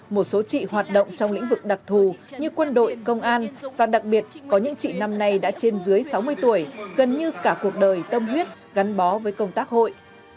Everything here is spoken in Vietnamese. một số chị hoạt động trong lĩnh vực đặc thù như quân đội công an và đặc biệt có những chị năm nay đã trên dưới sáu mươi tuổi gần như cả cuộc đời tâm huyết gắn bó với công tác hội